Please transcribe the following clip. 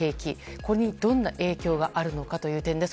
ここにどんな影響があるのかという点です。